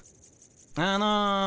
あの。